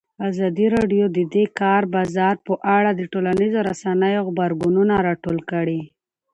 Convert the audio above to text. ازادي راډیو د د کار بازار په اړه د ټولنیزو رسنیو غبرګونونه راټول کړي.